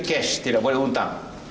cash tidak boleh undang